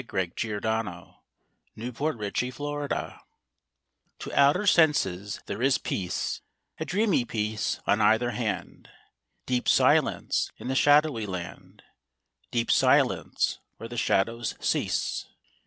fi4S] II LA FUITE DE LA LUNE TO outer senses there is peace, A dreamy peace on either hand, Deep silence in the shadowy land, Deep silence where the shadows cease.